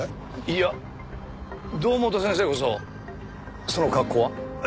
いや堂本先生こそその格好は？